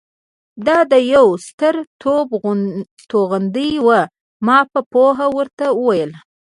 دا د یوه ستر توپ توغندۍ وه. ما په پوهه ورته وویل.